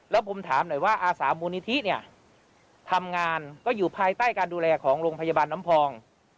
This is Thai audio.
แล้วผมถามหน่อยว่าอาสามูลนิธิเนี่ยทำงานก็อยู่ภายใต้การดูแลของโรงพยาบาลน้ำพอง